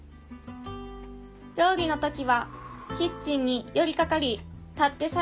料理の時はキッチンに寄りかかり立って作業。